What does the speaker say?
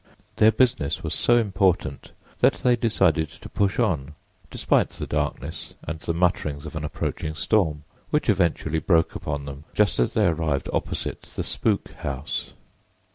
Their business was so important that they decided to push on, despite the darkness and the mutterings of an approaching storm, which eventually broke upon them just as they arrived opposite the "Spook House."